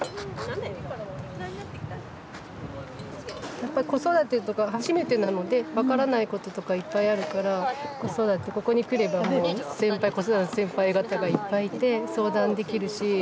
やっぱ子育てとか初めてなので分からないこととかいっぱいあるから子育てここに来ればもう先輩子育ての先輩方がいっぱいいて相談できるし。